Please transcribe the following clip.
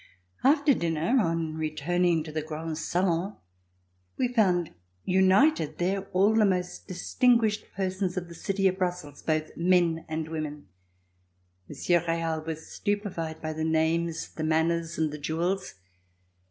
After dinner, on returning to the grand salon, we found united there all the most distinguished persons of the society of Brussels, both men and women. Monsieur Real was stupified by the names, the manners, and the jewels.